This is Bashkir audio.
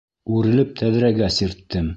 Үрелеп тәҙрәгә сирттем.